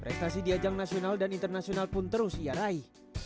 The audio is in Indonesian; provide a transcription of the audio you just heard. prestasi di ajang nasional dan internasional pun terus diarai